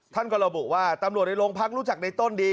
ท่านกับราบุที่นี่ดี